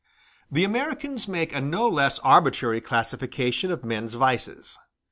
] The Americans make a no less arbitrary classification of men's vices.